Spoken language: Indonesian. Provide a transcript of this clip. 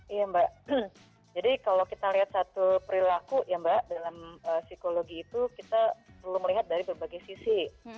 iya mbak jadi kalau kita lihat satu perilaku ya mbak dalam psikologi itu kita perlu melihat dari berbagai sisi